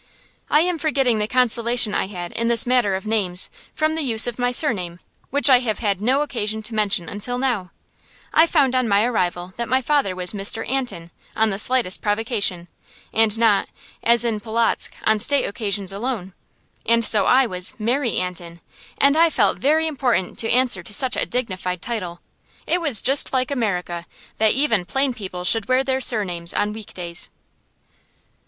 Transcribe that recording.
I am forgetting the consolation I had, in this matter of names, from the use of my surname, which I have had no occasion to mention until now. I found on my arrival that my father was "Mr. Antin" on the slightest provocation, and not, as in Polotzk, on state occasions alone. And so I was "Mary Antin," and I felt very important to answer to such a dignified title. It was just like America that even plain people should wear their surnames on week days.